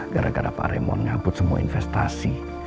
gara gara pak raymond ngambut semua investasi